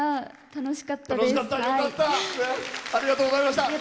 楽しかったです。